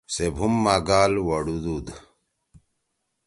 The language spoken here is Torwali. سے بُھوم ما گال وڑُودُود۔